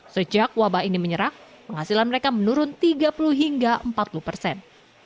sejak wabah ini menyerah penghasilan mereka menurun tiga puluh hingga empat puluh persen